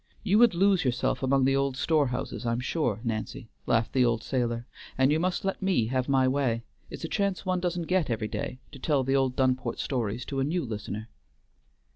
"You would lose yourself among the old storehouses, I'm sure, Nancy," laughed the old sailor, "and you must let me have my way. It's a chance one doesn't get every day, to tell the old Dunport stories to a new listener."